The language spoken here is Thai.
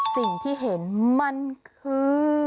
สิ่งที่เห็นมันคือ